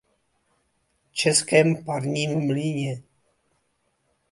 Českém parním mlýně.